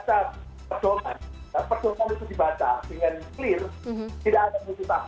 dan pedoman itu dibaca dengan jelas tidak ada multitafsir